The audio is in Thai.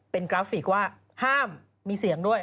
เป็นกราฟิกว่าห้ามมีเสียงด้วย